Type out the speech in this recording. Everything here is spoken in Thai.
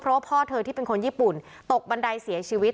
เพราะว่าพ่อเธอที่เป็นคนญี่ปุ่นตกบันไดเสียชีวิต